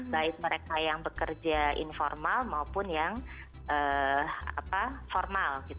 baik mereka yang bekerja informal maupun yang formal